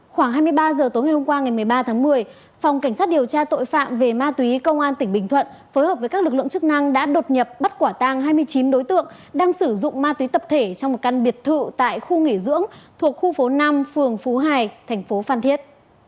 khoảng hai mươi ba h tối ngày hôm qua ngày một mươi ba tháng một mươi phòng cảnh sát điều tra tội phạm về ma túy công an tỉnh bình thuận phối hợp với các lực lượng chức năng đã đột nhập bắt quả tang hai mươi chín đối tượng đang sử dụng ma túy tập thể trong một căn biệt thự tại khu nghỉ dưỡng thuộc khu phố năm phường phú hải thành phố phan thiết